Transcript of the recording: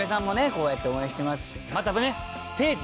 こうやって応援してますしまたねステージ